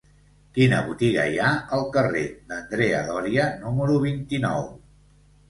Quina botiga hi ha al carrer d'Andrea Doria número vint-i-nou?